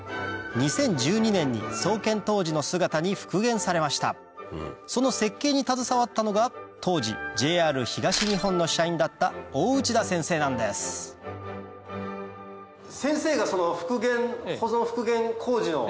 ２０１２年に創建当時の姿に復元されましたその設計に携わったのが当時ＪＲ東日本の社員だった大内田先生なんですそうですね。